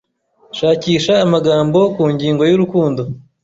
Shakisha amagambo ku ngingo y'urukundo